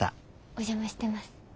お邪魔してます。